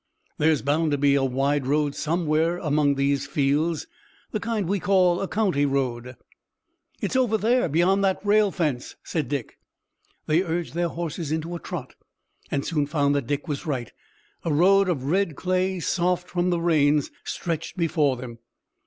"There's bound to be a wide road somewhere among these fields, the kind we call a county road." "It's over there beyond that rail fence," said Dick. They urged their horses into a trot, and soon found that Dick was right. A road of red clay soft from the rains stretched before them.